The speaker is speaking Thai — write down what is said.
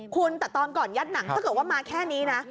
คุณแต่ตอนก่อนยัดหนังถ้าเกิดว่ามาแค่นี้นะ